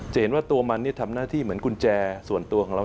เห็นว่าตัวมันทำหน้าที่เหมือนกุญแจส่วนตัวของเรา